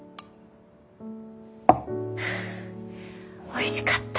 おいしかった。